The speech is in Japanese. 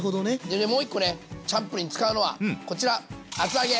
でねもう１個ねチャンプルーに使うのはこちら厚揚げ。